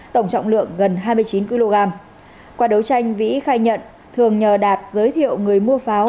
tổng trọng lượng gần hai mươi chín kg qua đấu tranh vĩ khai nhận thường nhờ đạt giới thiệu người mua pháo